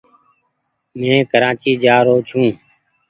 مين ڪرآچي جآ رو ڇون۔